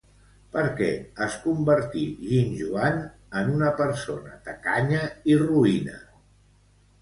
Per què es convertí Ginjoan en una persona tacanya i roïna?